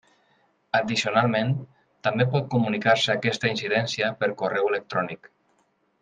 Addicionalment, també pot comunicar-se aquesta incidència per correu electrònic.